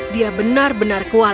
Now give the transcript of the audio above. dia benar benar menarik